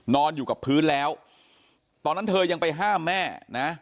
นอนอยู่กับพื้นแล้วตอนนั้นเธอยังไปห้ามแม่นะ